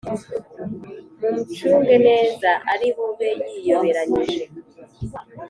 Mmucnge neza ari bube yiyoberanyije